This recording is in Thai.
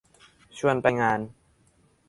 ชวนไปงาน